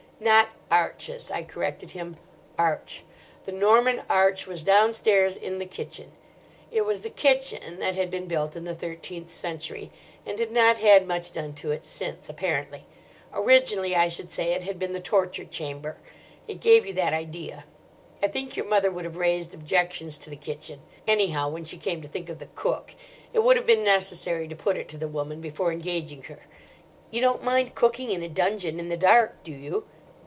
"Not arches," I corrected him; "Arch. The Norman arch was downstairs in the kitchen. It was the kitchen, that had been built in the thirteenth century—and had not had much done to it since, apparently. Originally, I should say, it had been the torture chamber; it gave you that idea. I think your mother would have raised objections to the kitchen—anyhow, when she came to think of the cook. It would have been necessary to put it to the woman before engaging her:— "'You don't mind cooking in a dungeon in the dark, do you?